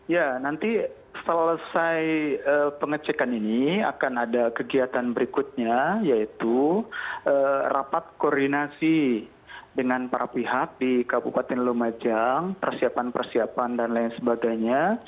ya nanti selesai pengecekan ini akan ada kegiatan berikutnya yaitu rapat koordinasi dengan para pihak di kabupaten lumajang persiapan persiapan dan lain sebagainya